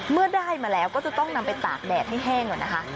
เมื่อได้มาแล้วก็จะต้องนำไปตากแดดให้แห้งก่อนนะคะ